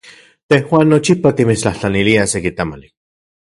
Tejuan nochipa timitstlajtlaniliaj seki tamali.